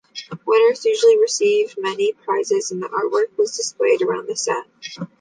Winners usually received many prizes, and the artwork was displayed around the set.